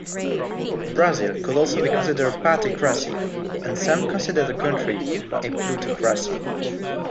Brazil could also be considered a particracy, and some consider the country a plutocracy.